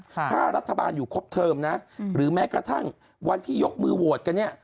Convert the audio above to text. ถ้ารัฐบาลอยู่ครบเทิมนะหรือแม้กระทั่งวันที่ยกมือโหวตกันเนี่ย